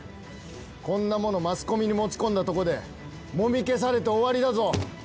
こんなものマスコミに持ち込んだとこでもみ消されて終わりだぞ。